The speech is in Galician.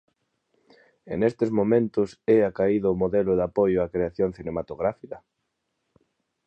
E nestes momento é acaído o modelo de apoio á creación cinematográfica?